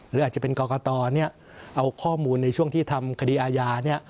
หรืออาจจะเป็นกรกตเอาข้อมูลในช่วงที่ทำคดีอาญาเนี่ย